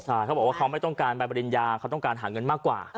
ใช่เขาบอกว่าเขาไม่ต้องการใบปริญญาเขาต้องการหาเงินมากกว่า